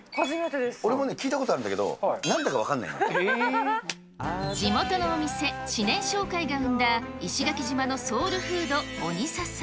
俺もね、聞いたことあるんだ地元のお店、知念商会が生んだ、石垣島のソウルフード、オニササ。